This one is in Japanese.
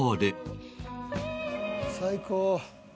最高！